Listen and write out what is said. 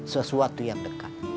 sesuatu yang berkaitan dengan dunia